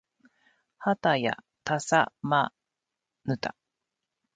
はたやたさまぬた